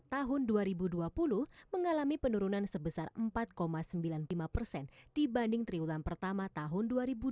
tahun dua ribu dua puluh mengalami penurunan sebesar empat sembilan puluh lima persen dibanding triwulan pertama tahun dua ribu dua puluh